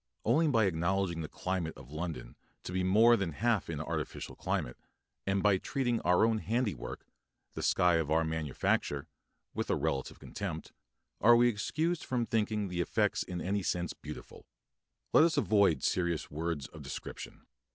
Only by acknowledging the climate of London to be more than half an artificial climate, and by treating our own handiwork the sky of our manufacture with a relative contempt, are we excused for thinking the effects in any sense beautiful. Let us avoid serious words of description.